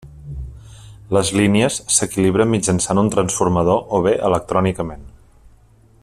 Les línies s'equilibren mitjançant un transformador o bé electrònicament.